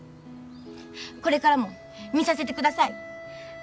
これからも見させてください。